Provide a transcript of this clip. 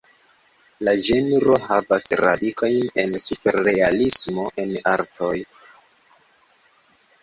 La ĝenro havas radikojn en superrealismo en artoj.